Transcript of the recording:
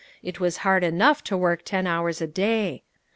It was hard enough to work ten hours a day.